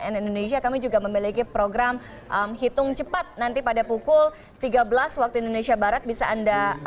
cnn indonesia kami juga memiliki program hitung cepat nanti pada pukul tiga belas waktu indonesia barat bisa anda